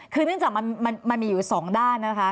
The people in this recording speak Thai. คือเนื่องจากมันมีอยู่สองด้านนะคะ